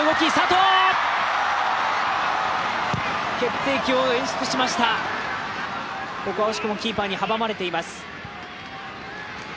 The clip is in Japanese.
決定機を演出しました、ここは惜しくもキーパーに阻まれています。